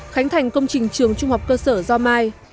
khánh thành công trình trường trung học cơ sở do mai